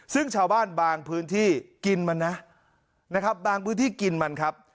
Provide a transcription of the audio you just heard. ซึ่งชาวบ้านบางพื้นที่กินมันนะนะครับบางพื้นที่กินมันครับ